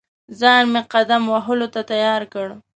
ځان مې قدم وهلو ته تیار کړ.